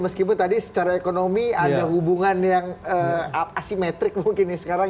meskipun tadi secara ekonomi ada hubungan yang asimetrik mungkin nih sekarang